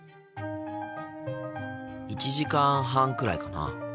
１時間半くらいかな。